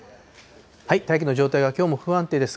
大気の状態がきょうも不安定です。